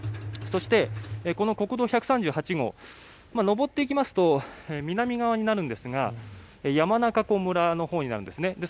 そしてこの国道１３８号上っていきますと南側になるんですが山中湖村のほうになるんですね。